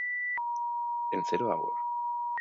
En "Zero Hour!